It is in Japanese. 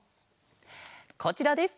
こちらです。